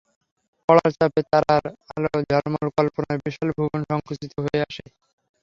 পড়ার চাপে তারার আলো ঝলমল কল্পনার বিশাল ভুবন সংকুচিত হয়ে আসে।